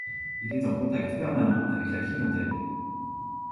Il est en contact permanent avec la clientèle.